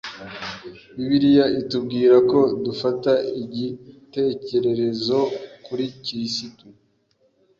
Bibiliya itubwira ko dufata icyitegererezo kuri Kirisitu